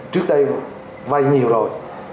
trước đây vay nhiều rồi